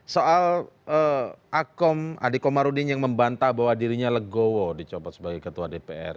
soal akom adhiko marudin yang membantah bahwa dirinya legowo dicobot sebagai ketua dpr